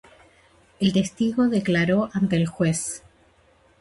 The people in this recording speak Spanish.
El testigo declaró ante el juez.